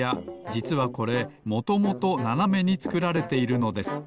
じつはこれもともとななめにつくられているのです。